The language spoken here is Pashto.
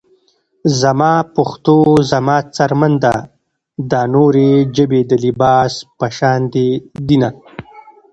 زما پښتو زما څرمن ده - دا نورې ژبې د لباس په شاندې دينه